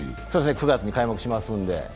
９月に開幕しますんで。